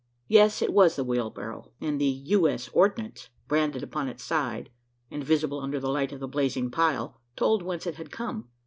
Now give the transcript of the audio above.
Yes, it was the wheelbarrow; and the "U.S. Ordnance" branded upon its side, and visible under the light of the blazing pile, told whence it had come.